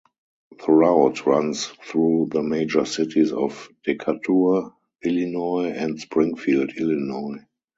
The route runs through the major cities of Decatur, Illinois and Springfield, Illinois.